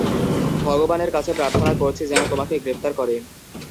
ভগবানের কাছে প্রার্থনা করছি, যেন তোমাকে গ্রেফতার করে।